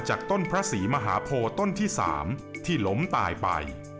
ต้นพระศรีมหาโพต้นที่๓ที่ล้มตายไป